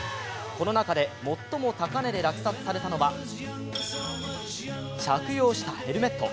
この中で最も高値で落札されたのは着用したヘルメット。